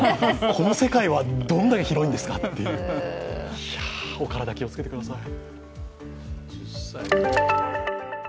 この世界はどんだけ広いんですかっていう、お体、気をつけてください。